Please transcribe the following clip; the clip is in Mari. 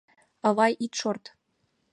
— Авай, ит шорт!